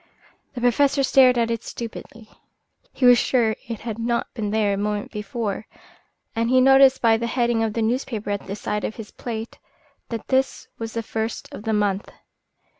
The Professor stared at it stupidly. He was sure it had not been there a moment before, and he noticed by the heading of the newspaper at the side of his plate that this was the first of the month.